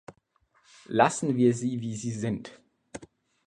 Lassen wir sie wie sie sind!